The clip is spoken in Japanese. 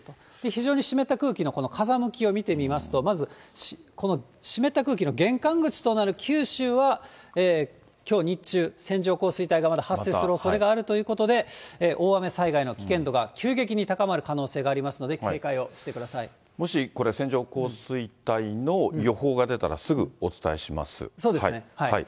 非常に湿った空気のこの風向きを見てみますと、まずこの湿った空気の玄関口となる九州はきょう日中、線状降水帯がまだ発生するおそれがあるということで、大雨災害の危険度が急激に高まる可能性がありますので、もしこれ、線状降水帯の予報が出たら、そうですね。